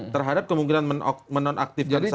terhadap kemungkinan menonaktifkan saya